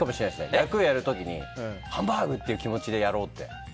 役をやる時にハンバーグっていう気持ちでやろうって。